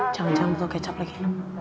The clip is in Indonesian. jangan jangan buka kecap lagi